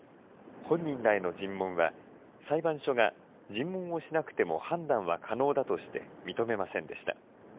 本人らへの尋問は、裁判所が尋問をしなくても判断は可能だとして、認めませんでした。